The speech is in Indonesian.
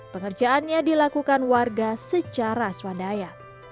pengerjaannya dilakukan warga secara swadaya